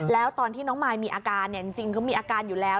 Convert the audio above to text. แล้วตอนที่น้องมายมีอาการเนี่ยจริงเขามีอาการอยู่แล้ว